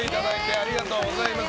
ありがとうございます。